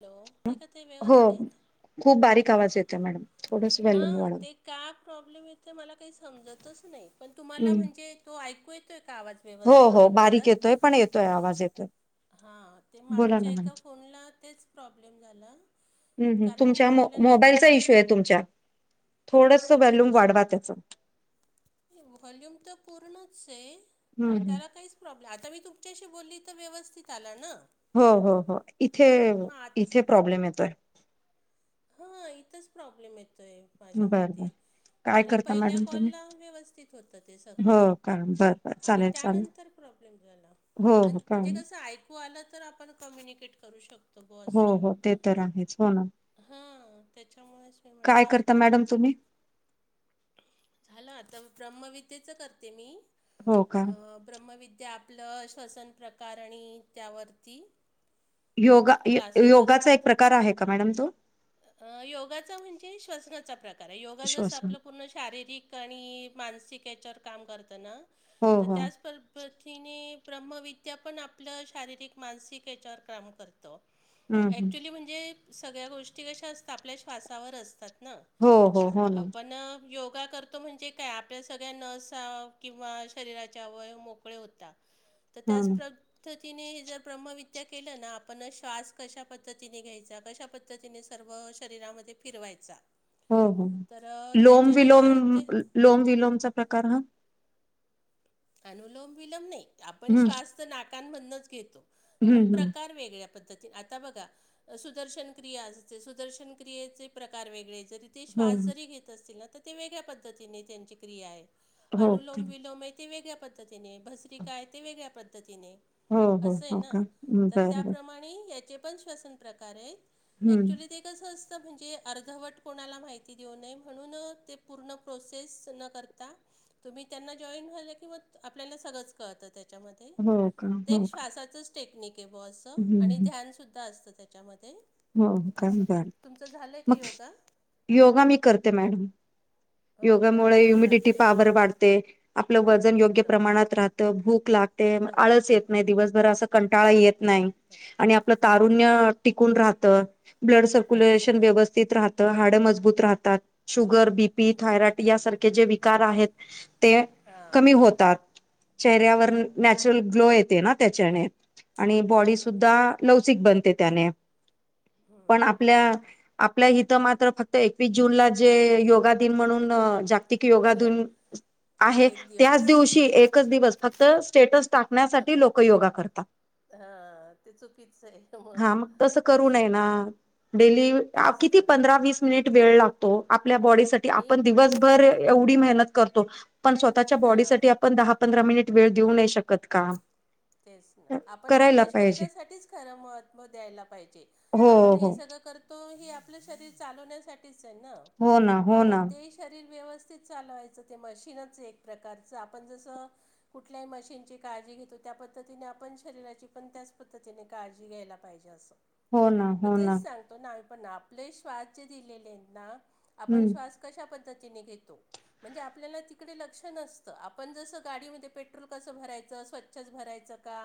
Hello ते का ते हो व्यवस्थित खूप बारीक आवाज येतोय मॅडम थोडस हां हां व्हॅल्यूम वाढवा ते का प्रॉब्लेम येतोय मला काही समजतच नाही पण तुम्हाला म्हणजे तो ऐकू येतोय का आवाज? हो व्यवस्थ हो म्हणजे क्लिअर बारीक येतोय पण येतोय आवाज येतोय हां ते बोला ना माटच्या मॅडम एका फोनला तेच प्रॉब्लेम झाला हम्म हम्म कारण तुमच्या मो आपल्याला ती मोबाईलचा इश्यू आहे तुमच्या थोडंसं व्हॅल्यूम वाढवा त्याच व्हॉल्यूम तर पूर्णचे त्याला काहीच प्रॉब्लेम आता मी तुमच्याशी बोलली तर व्यवस्थित आलं ना हो हो हो इथे हां मग आत इथे प्रॉब्लेम येतोय. हं इथंच प्रॉब्लेम येतोय माझ्या बर बर मते काय आणि करता पहिल्या मॅडम तुम्ही कॉलला व्यवस्थित होत ते हो सगळं का बर बर आणि चालेल चालेल त्यानंतर प्रॉब्लेम झाला हो म्हण हो का म्हणजे कसं ऐकू आलं तर आपण कम्युनिकेट करू शक हो हो ते तर आहेच हो ना. हां त्याच्यामुळेच मी काय म्हटलं करता मॅडम तुम्ही झालं आता ब्रम्हविद्येच करते मी हो का अ ब्रम्हविद्या आप आपलं श्वसन प्रकार आणि त्यावरती योगा यो क्लासेस योगाचा असतात एक प्रकार आहे का मॅडम तो अ योगाचा म्हणजे श्वसनाचा प्रकार आहे योगा जसं श्वास आपलं पूर्ण शारीरिक आणी मानसिक येच्या काम करत ना हो तर हो त्याच पथिने ब्रह्मविद्या पण आपलं शारीरिक, मानसिक याच्यावर काम करत. हम्म हम्म ऍक्च्युली म्हणजे सगळ्या गोष्टी कशा असतात आपल्या श्वासावर असतात ना हो हो हो ना आपण अ योगा कर तो म्हणजे काय आपल्या सगळ्या नसा किंवा शरीराच्या अवयव मोकळे होता तर हो त्याच ना प्रग तर तिने हे जर ब्रह्मविद्या केलं ना आपण श्वास कशा पद्धतीने घ्यायचा कशा पद्धतीने सर्व शरीरामध्ये फिरवायचा हो हो हो तर अ, लोम त्याच्याने काय विलोम होते अ लोम विलोमचा प्रकार हा अनुलोम विलोम नाही आपण हम्म श्वास तर नाकांन मधनच घेतो पण हम्म प्रकार वेगळ्या पद्धत आता बघा सुदर्शन क्रिया असते सुदर्शन क्रियेचे प्रकार वेगळे जरी ते श्वास हम्म जरी घेत असतील ना तर ते वेगळ्या पद्धतीने त्यांची क्रिया आहे हो हो का अनुलोम विलोम एक ते वेगळ्या पद्धतीने भसरी काय ते वेगळ्या पद्धतीने हो हो हो असयना का हम्म, तर बरं बर त्याप्रमाणे याचे पण श्वसन प्रकार आहेत हम्म ऍक्च्युली ते कस असत म्हणजे अर्धवट कोणाला माहिती देऊ नये म्हणून ते पूर्ण प्रोसेस न करता तुम्ही त्यांना जॉईन झालं कि आपल्याला सगळंच कळतं त्या च्या मध्ये हो का ते एक हो का श्वासाचं टेक्निक आहे बुवा असं हम्म आणि हम्म. ध्यानसुद्धा असतं त्याच्यामध्ये हो काय असं बर तुमचं झालं आहे का मग योगा योगा मी करते मॅडम हो का योगामुळे ह्युमिडिटी अच्छा पावर वाढते. आपलं वजन योग्य बरोबर आहे प्रमाणात राहतं भूक लागते. हो आळस येत नाही दिवसभर असं कंटाळा येत नाही आणि आपलं बरोबर बरोबर तारुन्य आहे टिकून राहत, ब्लड अच्छा सर्क्युलेशन व्यवस स्थित राहत हाड मजबूत राहतात. शुगर, बी पी, थायरॉईड यासारखे जे विकार आहेत ते हां कमी होतात. चेहऱ्यावर हो नॅचरल ग्लो येते ना त्याच्याने आणि बॉडी बरोबर सुुद्धा आहे लवचिक बनते त्याने पण हम्म आपल्या बरोबर आहे आपल्या इथं मात्र फक्त एकवीस जूनला जे योगा दिन म्हणून की योगातून आहे एक त्याच दिवस दिवशी एकच दिवस फक्त स्टेटस टाकण्यासाठी लोक योगा करतात. हा ते चुकीच आहे मग हा तसं करू असं नये आहे ना डेली अहो तेच किती तर पंधरा-वीस मिनिट वेळ लागतो. आपल्या बॉडीसा साठी आणि आपण दिवसभर एवढी मेहनत करतो पण स्वतःच्या बॉडी हां साठी आपण पण दहा-पंधरा मिनिट वेळ देऊ नाही शकत का? तेच ना आपण करायला आपल्या पाहिजे शरीरासाठीच खरं महत्त्व द्यायला पाहिजे. हो आपण हो हे सगळं करतो हे आपलं शरीर चालवण्यासाठीच आहे ना हो ना तर हो ना मग ते शरीर व्यवस्थित चालवायचं ते मशीनच एक प्रकारचं आपण जसं कुठल्याही मशीनची काळजी घेतो त्या पद्धतीने आपण शरीराची पण त्याच पद्धतीने काळजी घ्यायला पाहिजे असं हो ना मग हो ना तेच सांगतो ना आम्ही पण आपले श्वास जे दिलेले आहेत ना आपण हम्म श्वास कशा पद्धतीने घेतो? म्हणजे आपल्याला तिकडे लक्ष नसतं आपण जसं गाडीमध्ये पेट्रोल कसं भरायचं? छ भरायच का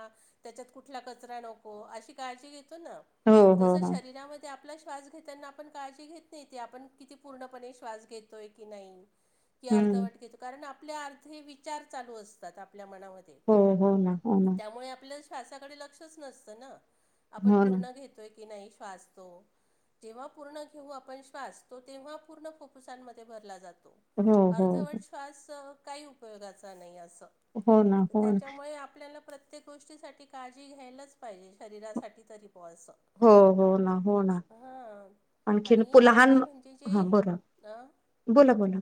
त्याच्यात कुठला कचरा नको अशी काळजी घेतो ना हो हो तस हो शरीरामध्ये ते आपला श्वास घेताना आपण काळजी घेत नाही ते आपण किती पूर्णपणे श्वास घेतोय की नाही? की हम्म अर्धवट घेतो कारण आपल्या अर्ध विचार चालू असतात आपल्या मनामध्ये हो हो ना हो ना त्यामुळे आपल्या श्वासाकडे लक्षच नसतं ना आपण हो ना पूर्ण घेतोय की नाही श्वास तो जेव्हा पूर्ण घेऊ आपण श्वासतो तेव्हा पूर्ण फुफ्फुसांमध्ये भरला जातो. हो हो हो अर्धवट शस काही उपयोगा नाही अस हो ना हो ना त्यामुळे आपल्याला प्रत्येक गोष्टीसाठीठी काळजी घ्यायलाच पाहिजे शरीरासाठी तरी प असं. हो हो ना हो ना. हा आणखीन आणि पु- लहान आपले म्हणजे जे हा बोला अ बोला बोला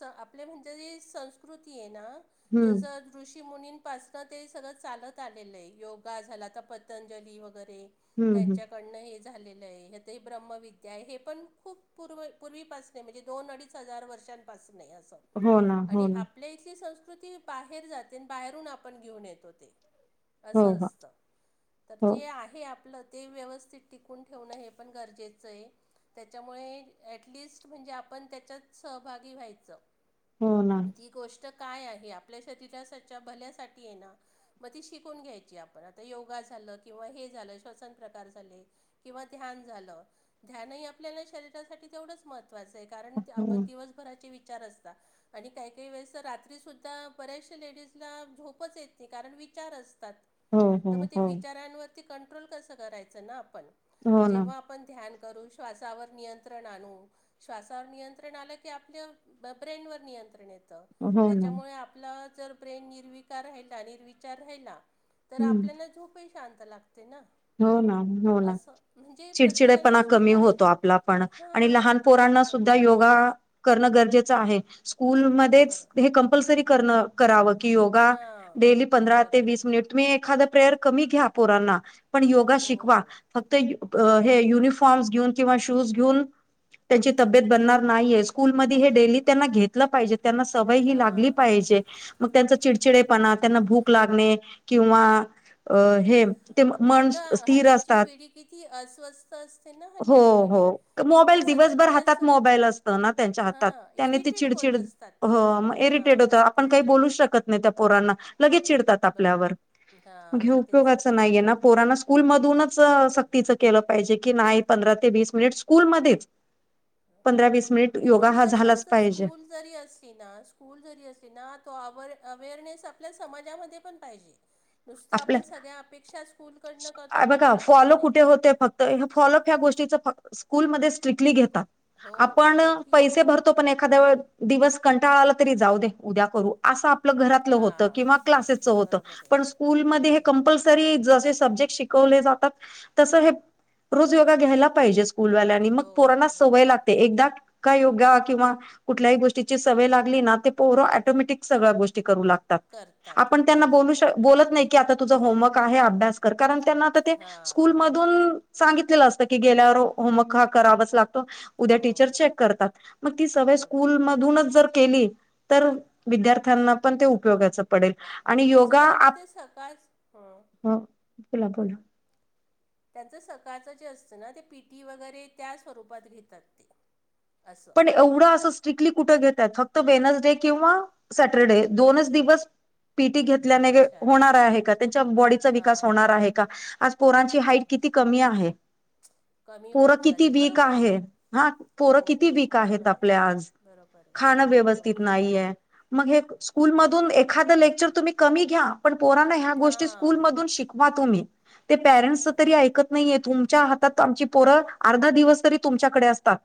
स आपल्या म्हणजे संस्कृती आहे ना हम्म जसं ऋषीमुनींपासनं ते सगळं चालत आलेलं आहे योगा झाला तर पतंजली वगैरे हम्म हम्म त्यांच्याकडनं हे झालेलं आहे ते ब्रह्मविद्या आहे हे पण खूप पूर पूर्वीपासून म्हणजे दोन अडीच हजार वर्षांपासून आहे असं हो ना हो आणि ना आपल्या इथली संस्कृती बाहेर जाते आणि बाहेरून आपण घेऊन येतो ते हो असं हो असत तर हो जे आहे आपलं ते व्यवस्थित टिकून ठेवणं हे पण गरजेचं आहे. त्याच्यामुळे ॲटलिस्ट म्हणजे आपण त्याच्याच भागी व्हायच हो ना ती गोष्ट काय आहे आपल्या शरीराच्या भल्यासाठी ये ना. मग ती शिकून घ्यायची आपण आता योगा झालं किंवा हे झालं श्वसन प्रकार झाले. किंवा ध्यान झालं ध्यानही आपल्याला शरीरासाठी तेवढंच महत् महत्वाच आहे कारण हो आपण ना दिवसभराचे विचार असत. आणि काही काही वेळेस तर रात्री सुुद्धा बऱ्याचश लेडीजला झोपच येत नाही कारण विचार असतात. हो हो तर मग ते हो विचारांवरती कंट्रोल कस करायचं ना आपण हो ना जेव्हा ध्यान करून श्वासावर नियंत्रण आणू श्वासावर नियंत्रण आ आप ब्रेनवर निंत्रण येत हो ना त्यामुळे आप जर ब्रेन निर्विकार राहिला निर्विचार राहिला तर हम्म आपल्याला झोपही शांत लागते ना. हो ना हो ना असं म्हणजे चिडचिड प्रत्येकाने पणा अशी कमी काज होतो आपला पण आणि लहान हां पोरांना हां सुद्धा योगा करणं गरजेचं आहे स्कूलमध्येच बरोबर हे कंपल्सरी करण करावं की योगा हां डेली पंधरा ते बरोबर वीस आहे मिनिट तुम्ही एखाद प्रेयर कमी घ्या पोरांना. पण योगा हो शिकवा फक्त हे बरोबर आहे युनि पावस घेऊन किंवा शूज घेऊ त्यांची तबेत बनणार नाहीये. स्कूल मध्ये आज हे डेली त्यांना घेतलं पाहिजे त्यांना सवय ही लागली हां तेच पाहिजे. तर मग त्यांचा बरोबर चिडचिडेपणा त्यांना भूक लागणे किंवा हे आणि मन मुलं स्थिर हल्लीची असतात पिढी किती अस्वस्थ असते ना हो हल्लीची पिढी. हो मोबाईल म्हणजे सतत दिवसभर ते हातात असं मोबाईल असतो ना त्यांच्या हातात हां त्यांनी ती इरिटेट होत चिडचिड असतात ते हो मग इरिटेड हां होत आपण तेच काही बोलू शकत नाही त्या पोरांना लगेच चिड तात आपल्यावर बरोबर मग हे हां तेच उपयोगच नाहीयेना. पोरांना स्कूल मधूनच सक्तीच केलं पाहिजे की नाही पंधरा ते वीस मिनिट स्कूलमध्येच पंधरा वीस मिनिट योगा ॲक्च्युली हा कसं झालाच असतं पाहिजे. स्कूल जरी असली ना स्कूल जरी असली ना तो अ अवेअरनेस आपल्या समाजामध्ये पण पाहिजे. नुसत आपल्या आपण सगळ्या अपेक्षा स्कूलकडन करणं पण गरजेचं नाही. फॉलोफ या गोष्टीचा स्कूल मध्ये स्ट्रिक्टली घेतात हो आपण ते ठीक आहे पैसे भर तो पण एखाद्या वे दिवस कंटाळाला तरी जाऊदे उद्या करू! अस आपलं घरातलं होत किंवा हां क्लासेसच होत बरोबर आहे पण स्कूलमध्ये हे बरोबर कंपल्स तरी जसे सब्जेक्ट शिकवले जातात तसे हे रोज योगा घ्यायला पाहिजे ह्या स्कूल वाल्यां नी मग हो पोरांना हो, हो. सवय केलं लागते एकदा का योगा किंवा कुठल्याही गोष्टीची सवय लागली ना ते पोर ऑटोमॅटिक सगळ्या गोष्टी करू लागत. करतात आपन त्यांना करतात बोलू शकत बरोबर आहे नाही की तुझा होमवर्क आहे तू आता अभ्यास कर कारण आता त्यांना ते हां स्कूल म मधून सांगितले असत की गेल्यावर होमवर्क हा करावाच लागतो. उद्या हो टीचर चेक करतात मग ती सवय बरोबर आहे स्कूलमधूनच जर केली तर विद्यार्थ्यांना पण ते उपयोगाच पडेल आणि तसं त्यांचं ते सकाळ हम्म ह बोला तिला बोलाव. त्यांचं सकाळचं जे असतं ना ते पीटी वगैरे त्या स्वरूपात घेतात ते असं. पण एवढं आस स्ट्रिकली कुठ घेतात फक्त वेनसडे किंवा सॅटरडे दोनच दिवस पीटी घेत अच्छा होणार आहे का त्यांच्या बॉडीचा हां विकास होणार हां आहे का आज पोरांची हाईट बरोबर किती कमी आहे. कमी पोर होत किती झाली वीक बरोबर ना आहे हा हो पोर किती वीक आहेत बरोबर आहे आपले आज बरोबर आहे खान व्यवस्थित बरोबर आहे नाही. मग स्कूल मधून एखाद लेक्चर तुम्ही कमी घ्या. पण पोरांना ह्या गोष्टी स्कूल हां मधून शिकवा तुम्ही ते पेरेंट्स च तरी बरोबर आहे ऐकत नाहीये तुमच्या हातात आमची पोरं अर्धा दिवस तरी तुमच्याकडे असतात.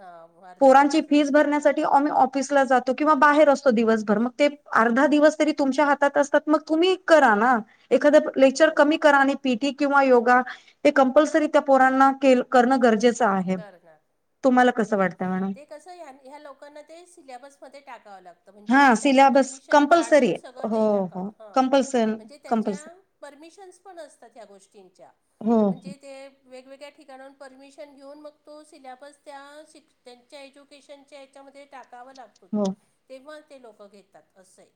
हा! पोरांची फीस भरण्यासाठी आम्ही ऑफिसला जातो. किंवा बाहेर असतो दिवसभर मग ते अर्धा दिवस तरी तुमच्या हातात असतात मग तुम्ही करा ना. एखादा लेक्चर कमी हो करा आणि पीटी किंवा योगा ते कंपल्सरी त्या पोरांना के करणं गरजेचं आहे. करणार तुम्हाला बरोबर कस आहे ना. वाटत? ते कसं ह्या ह्या लोकांना ते सिलेबसमध्ये टाकावं लागतं म्हणजे हा त्यांना सिल्याबस परमिशन कंपल्सरी काढून आहे. सगळं ते हो हो टाकत हां कंपल्सरी म्हणजे त्याच्या कंपल्सरी परमिशन्स पण असतात ह्या गोष्टींच्या. हो म्हणजे ते वेगवेगळ्या ठिकाणांवरून परमिशन घेऊन मग तो सिल्याबस त्या शिक् त्यांच्या एज्युकेशनच्या याच्यामध्ये टाकावा हो लागतो. तेव्हा ते लोक घेतात असय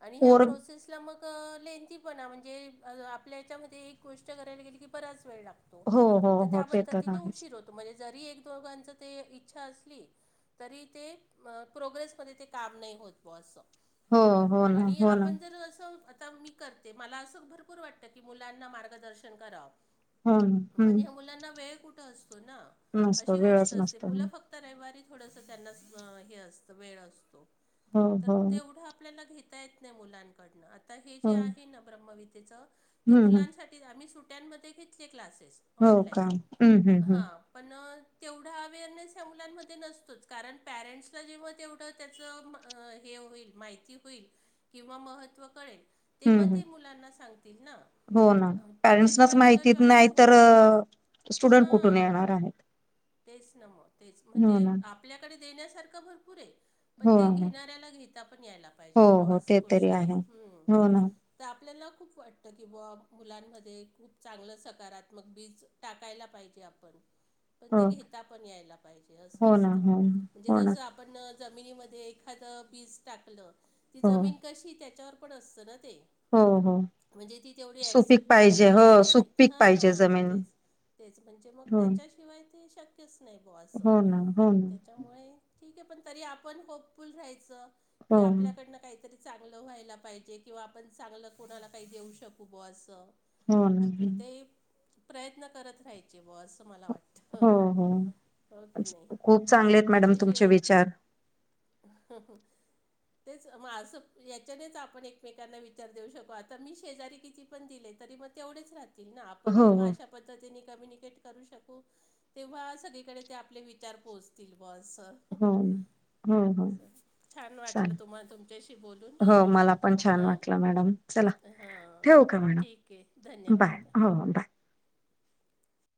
आणि ह्या पोर प्रोसेस मग लेंथीपणा म्हणजे आपल्याच्यामध्ये एक गोष्ट करायला गेली की बराच वेळ लागतो हो हो तर हो त्या ते तर पद्धतीने आहेच उशीर होतो म्हणजे जरी एक दोघांच ते इच्छा असली तरी ते प्रोग्रेसमध्ये ते काम नाही होत बो असं हो हो ना आणि हो ना आपण जर अस आता मी कर मला असं भरपूर वाटत की मुलांना मार्गदर्शन कराव हो ना पण हम्म हया मुलांना वेळ कुठं असतो ना नसतो अशी गोष्ट वेळच असते नसतो मुलं हो फक्त रविवारी थोडस त्यांना हे असत वेळ असतो तर हो हो तेवढं आपल्या घेत य नाही मुलांकडन आ हे जे हम्म आहे ना ब्रह्मवितेचा ते हम्म मुलांसाठी आम्ही सुट्ट्यांमध्ये घेतले क्लासेस हो ऑनलाईन काम हा पण तेवढा अवेअरनेस हया मुलांमध्ये नसतोच कारण पॅरेंट्सला जेव्हा तेवढ त्याच हे होईल माहिती होईल किंवा महत्व कळेल हम्म तेव्हा हम्म ते मुलांना सांगतील ना हो ना अ त्याच्याशिवाय मुलं जॉईन नाही होत ह हा तेच ना मग तेच हो म्हणजे ना आप आपल्याकडे देण्यासारखं भरपूर ये पण हो ते ना घेणाऱ्याला घेता पण यायला हो पाहिजे हो बॉअस ते तरी गोष्ट आहे हम्म हो ना तर आपल्याला खूप वाटतं की बॉ मुलांमध्ये खूप चांगलं सकारात्मक बीज टाकायला पाहिजे ते आपण पण हो घेता पण यायला पाहिजे अस हो ना असत हो म्हणजे हो ना जस आप जमनीमध्ये एखाद बीज टाकलं ती हो जमीन कशी त्याच्यावर पणअसताना ते हो हो म्हणजे ती तेवढी सुपीक ऍक्सेप्ट करू पाहिजे हो शकेल की नाही सुपीक पाहिजे हा जमीन तेच तेच म्हणजे मग हो त्याच्याशिवाय ते शक्यच नाही ग हो ना हो ना असं त्यामुळे ठीक आहे पण तरी आपण होपुल राहायच की हो आपल्याकडन काहीतरी चांगलं व्हायला पाहिजे किंवा आपण चांगलं कोणाला काही देऊ शकू ब असं हो ना तर ते प्रयत्न करत राहायचे ब असं मला वाटत हो हो हो कि नाही खूप चांगले आहेत मॅडम तुमचे त्याच्याशिवाय विचार ह ह तेचग असं याच्यानेच आपण एकमेकांना विचार देऊ शको आता मी शेजारी किती ण दिले तरी मग तेवढेच राह आपण हो जेव्हा हो अश पद्धती क करू शकू तेव्हा सगळीकडे ते आपले विचार पोहोचतील बस हम्म हो हो छान चाले वाटलं तुम्हाला तुमच्याशी बोलून हो मला पण छान हां वाटलं मॅडम चला हां ठेवू का ठीक आहे मॅडम बाय धन्यवाद हो हो बाय